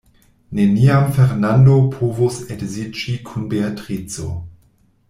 Neniam Fernando povos edziĝi kun Beatrico.